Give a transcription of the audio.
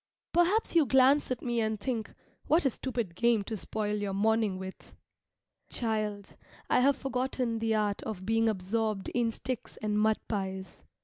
Perhaps you glance at me and think, "What a stupid game to spoil your morning with!" Child, I have forgotten the art of being absorbed in sticks and mud pies.